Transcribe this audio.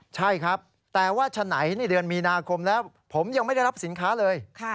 ใช่ครับแต่ว่าฉะไหนในเดือนมีนาคมแล้วผมยังไม่ได้รับสินค้าเลย